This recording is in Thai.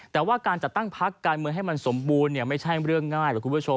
แต่ว่าการจัดตั้งพักการเมืองให้มันสมบูรณ์ไม่ใช่เรื่องง่ายหรอกคุณผู้ชม